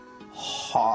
はあ。